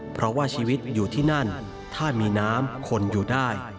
เพราะว่าชีวิตอยู่ที่นั่นถ้ามีน้ำคนอยู่ได้